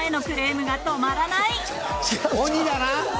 鬼だな。